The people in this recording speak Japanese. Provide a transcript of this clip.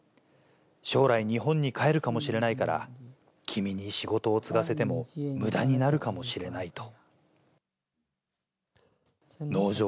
将来、日本に帰るかもしれないから、君に仕事を継がせてもむだになるかもしれないと。